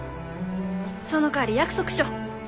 そのかわり約束しよう。